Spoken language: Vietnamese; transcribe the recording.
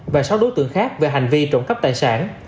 và sáu đối tượng khác về hành vi trộm cắp tài sản